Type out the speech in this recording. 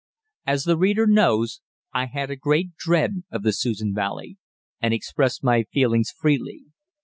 As the reader knows, I had a great dread of the Susan Valley, and expressed my feelings freely.